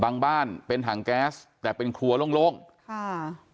บ้านเป็นถังแก๊สแต่เป็นครัวโล่งโล่งค่ะ